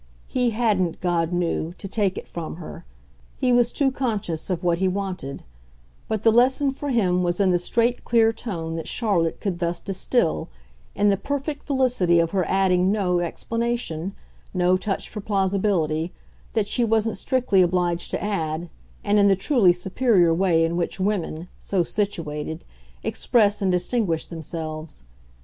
He hadn't, God knew, to take it from her he was too conscious of what he wanted; but the lesson for him was in the straight clear tone that Charlotte could thus distil, in the perfect felicity of her adding no explanation, no touch for plausibility, that she wasn't strictly obliged to add, and in the truly superior way in which women, so situated, express and distinguish themselves.